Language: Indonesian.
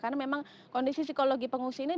karena memang kondisi psikologi pengungsi ini